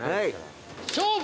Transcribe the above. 勝負！